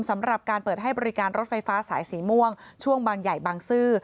สำหรับการเปิดให้บริการรถไฟฟ้าสายสีม่วงช่วงบางใหญ่บางซื่อ